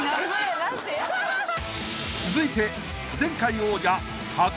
［続いて］